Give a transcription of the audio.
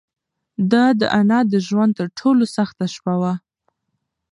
دا د انا د ژوند تر ټولو سخته شپه وه.